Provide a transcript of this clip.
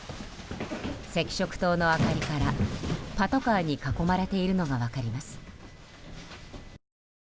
赤色灯の明かりから、パトカーに囲まれているのが分かります。